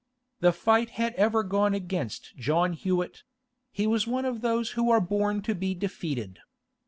The fight had ever gone against John Hewett; he was one of those who are born to be defeated.